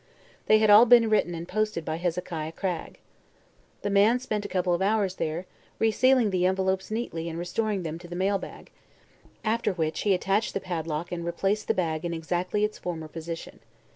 They had all been written and posted by Hezekiah Cragg. The man spent a couple of hours here, resealing the envelopes neatly and restoring them to the mail bag, after which, he attached the padlock and replaced the bag in exactly its former position.